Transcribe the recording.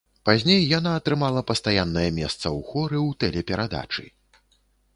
Пазней яна атрымала пастаяннае месца ў хоры у тэлеперадачы.